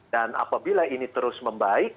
dan apabila ini terus membaik